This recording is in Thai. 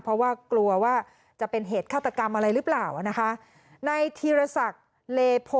เพราะว่ากลัวว่าจะเป็นเหตุฆาตกรรมอะไรหรือเปล่านะคะในธีรศักดิ์เลโพ